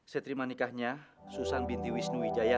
saya terima nikahnya susan binti wisnu wijaya